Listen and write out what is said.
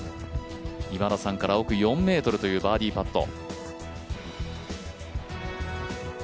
今田さんから奥４ｍというバーディーパット。